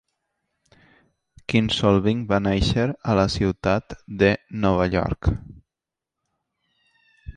Kinsolving va néixer a la ciutat de Nova York.